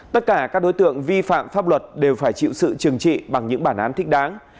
tất cả các đối tượng vi phạm pháp luật đều phải chịu sự trừng trị bằng những bản án thích đáng